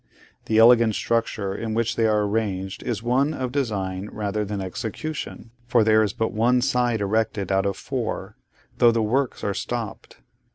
The elegant structure in which they are arranged is one of design rather than execution, for there is but one side erected out of four, though the works are stopped.